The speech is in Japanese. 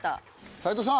齋藤さん。